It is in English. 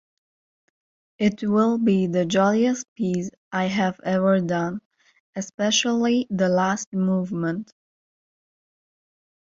It will be the jolliest piece I have ever done, especially the last movement.